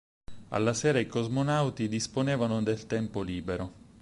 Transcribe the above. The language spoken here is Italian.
Alla sera i cosmonauti disponevano del tempo libero.